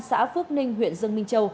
xã phước ninh huyện dương minh châu